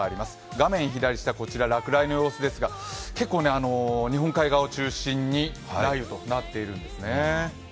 画面左下、こちら落雷の様子ですが結構日本海側を中心に雷雨となっているんですね。